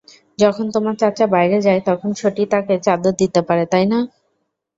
যখন তোমার চাচা বাইরে যায়, তখন ছোটি তাকে চাদর দিতে পারে, তাই না?